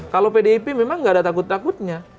kalau pdip memang nggak ada takut takutnya